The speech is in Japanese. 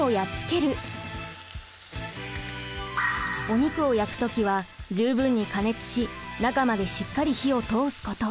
お肉を焼くときは十分に加熱し中までしっかり火を通すこと。